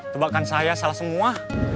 tebakan saya salah semua